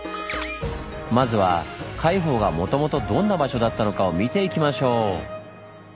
まずは海堡がもともとどんな場所だったのかを見ていきましょう！